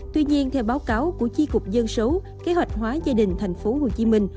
tuy nhiên theo báo cáo của chi cục dân số kế hoạch hóa gia đình tp hcm